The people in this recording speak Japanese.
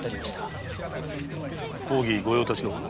公儀御用達のか？